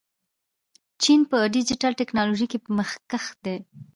چین په ډیجیټل تکنالوژۍ کې مخکښ دی.